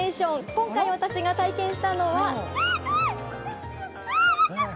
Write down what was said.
今回私が体験したのは。